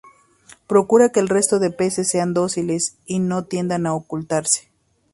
Procura que el resto de peces sean dóciles y no tiendan a ocultarse.